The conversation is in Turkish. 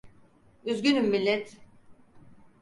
Üzgünüm millet.